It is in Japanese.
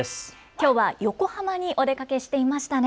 きょうは横浜にお出かけしていましたね。